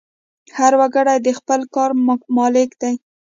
هر وګړی د خپل کار مالک دی.